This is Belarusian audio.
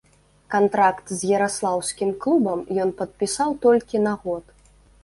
Кантракт з яраслаўскім клубам ён падпісаў толькі на год.